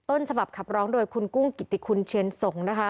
ต้นฉบับขับร้องโดยคุณกุ้งกิติคุณเชียนส่งนะคะ